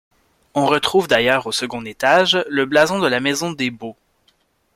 On retrouve d'ailleurs, au second étage, le blason de la maison des Baux.